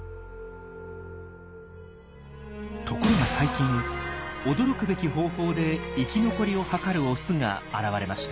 ところが最近驚くべき方法で生き残りを図るオスが現れました。